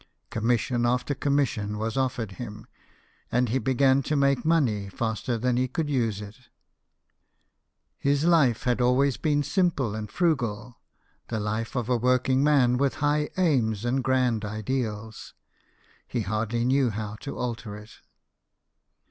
Commission after commission was offered him, and he began to make money faster than he could use it. His life had always been simple and frugal the life of a working man with high aims and grand JOHN GIBSON, SCULPTOR. 79 ideals : he hardly knew now how to alter it.